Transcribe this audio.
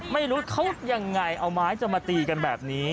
ไม่รู้เขาแบบอย่างไรเอาไม้มาตีอยู่แบบนี้